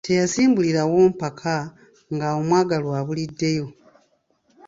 Teyasimbulirawo mpaka nga omwagalwa abuliddeyo.